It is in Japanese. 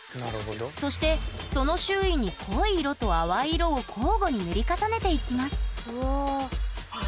そしてその周囲に濃い色と淡い色を交互に塗り重ねていきます。